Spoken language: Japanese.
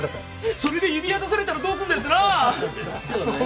それで指輪出されたらどうすんだよってな。ですよね。